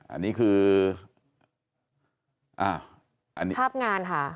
อันนี้คือภาพงานค่ะ